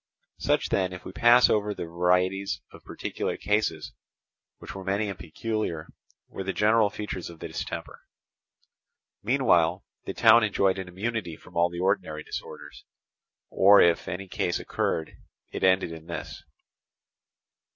Such then, if we pass over the varieties of particular cases which were many and peculiar, were the general features of the distemper. Meanwhile the town enjoyed an immunity from all the ordinary disorders; or if any case occurred, it ended in this.